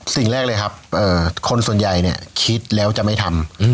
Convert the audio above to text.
สิ่งแรกเลยครับคนส่วนใหญ่เนี่ยคิดแล้วจะไม่ทำ